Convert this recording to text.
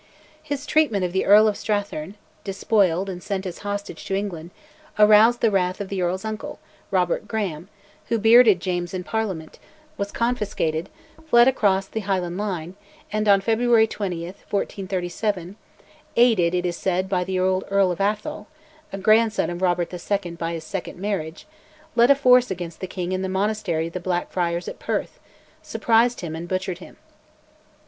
His treatment of the Earl of Strathearn (despoiled and sent as a hostage to England) aroused the wrath of the Earl's uncle, Robert Graham, who bearded James in Parliament, was confiscated, fled across the Highland line, and, on February 20, 1437, aided, it is said by the old Earl of Atholl (a grandson of Robert II. by his second marriage), led a force against the King in the monastery of the Black Friars at Perth, surprised him, and butchered him.